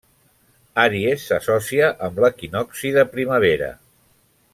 Àries s'associa amb l'equinocci de primavera.